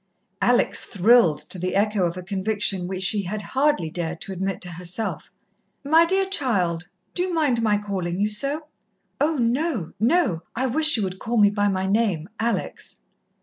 Alex thrilled to the echo of a conviction which she had hardly dared to admit to herself. "My dear child do you mind my calling you so?" "Oh, no no. I wish you would call me by my name Alex."